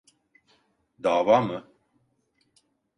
Dava mı?